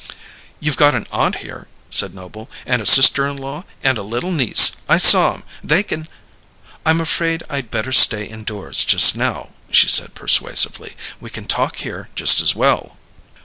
"You've got an aunt here," said Noble, "and a sister in law and a little niece: I saw 'em. They can " "I'm afraid I'd better stay indoors just now," she said persuasively. "We can talk here just as well."